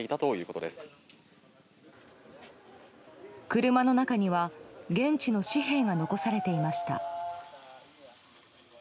車の中には現地の紙幣が残されていました。